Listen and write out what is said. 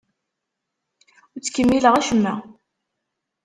Ur ttkemmileɣ acemma.